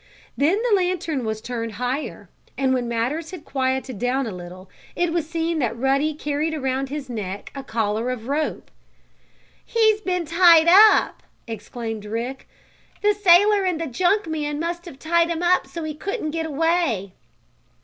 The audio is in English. Then the lantern was turned higher and, when matters had quieted down a little, it was seen that Ruddy carried around his neck a collar of rope. "He's been tied up!" exclaimed Rick. "The sailor and the junk man must have tied him up so he couldn't get away."